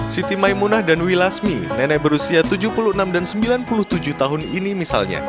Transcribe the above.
siti maimunah dan wilasmi nenek berusia tujuh puluh enam dan sembilan puluh tujuh tahun ini misalnya